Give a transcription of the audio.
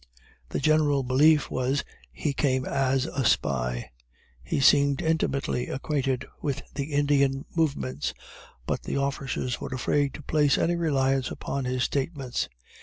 The general belief was he came as a spy. He seemed intimately acquainted with the Indian movements, but the officers were afraid to place any reliance upon his statements.